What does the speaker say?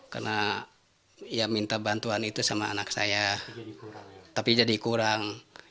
karena ia minta bantuan itu sama anak saya tapi jadi kurang